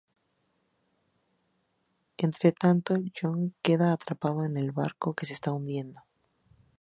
Entretanto John queda atrapado en el barco que se está hundiendo.